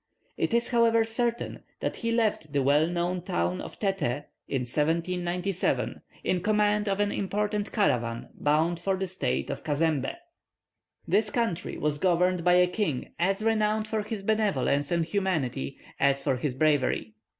It is however certain that he left the well known town of Teté in 1797, in command of an important caravan bound for the States of Cazembé. This country was governed by a king as renowned for his benevolence and humanity as for his bravery.